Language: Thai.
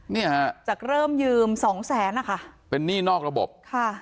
เนี่ยฮะจากเริ่มยืมสองแสนนะคะเป็นหนี้นอกระบบค่ะ